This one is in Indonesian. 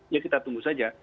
ya kita tunggu saja